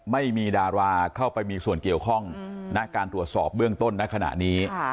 ไม่มีดาราเข้าไปมีส่วนเกี่ยวข้องณการตรวจสอบเบื้องต้นในขณะนี้